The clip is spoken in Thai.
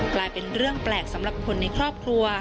กลายเป็นเรื่องแปลกสำหรับคนในครอบครัว